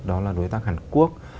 đó là đối tác hàn quốc